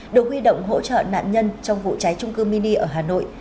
được huy động hỗ trợ nạn nhân trong vụ cháy trung cư mini ở hà nội